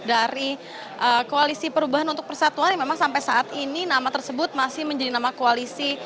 dari koalisi perubahan untuk persatuan yang memang sampai saat ini nama tersebut masih menjadi nama koalisi